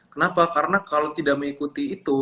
kenapa karena kalau tidak mengikuti itu